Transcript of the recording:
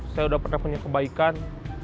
saya sudah pernah punya kebaikan